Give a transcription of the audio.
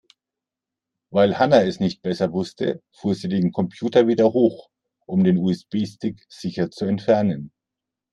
Weil Hanna es nicht besser wusste, fuhr sie den Computer wieder hoch, um den USB-Stick sicher zu entfernen.